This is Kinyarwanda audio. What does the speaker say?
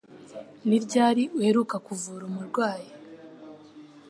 Ni ryari uheruka kuvura umurwayi?